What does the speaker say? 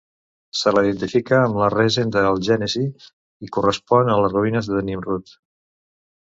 Se la identifica amb la Resen del Gènesi i correspon a les ruïnes de Nimrud.